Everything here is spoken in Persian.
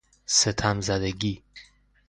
ستم زدگی